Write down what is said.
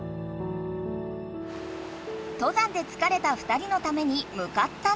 登山でつかれた２人のためにむかったのは。